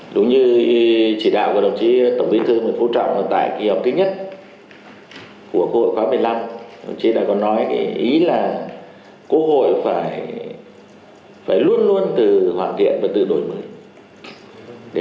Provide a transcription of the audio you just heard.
đúng như chỉ đạo của đồng chí tổng bí thư nguyễn phú trọng tại kỳ họp thứ nhất của quốc hội khóa một mươi năm đồng chí đã có nói cái ý là quốc hội phải luôn luôn hoàn thiện và tự đổi mới